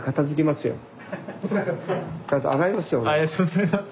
ありがとうございます。